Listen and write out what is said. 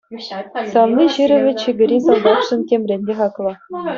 Савни ҫырӑвӗ чикӗри салтакшӑн темрен те хаклӑ.